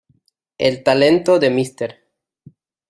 El talento de Mr.